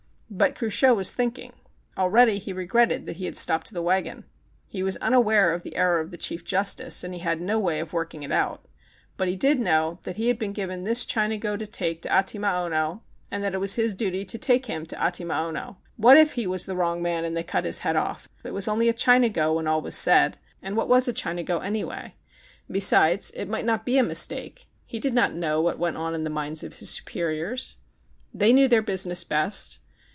But Cruchot was thinking. Already he re gretted that he had stopped the wagon. He was unaware of the error of the Chief Justice, and he had no way of working it out; but he did know that he had been given this Chinago to take to Atimaono and that it was his duty to take him to Atimaono. What if he was the wrong man and they cut his head off^ It was only a Chinago when all was said, and what was a Chinago, anyway ? Besides, it might not be a mistake. He did not know what went on in the minds of his superiors. They knew their business best.